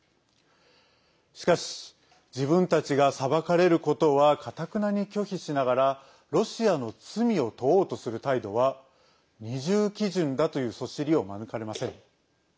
しかし自分たちが裁かれることはかたくなに拒否しながらロシアの罪を問おうとする態度は二重基準だというそしりを免れません。